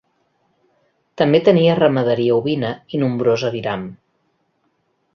També tenia ramaderia ovina i nombrosa aviram.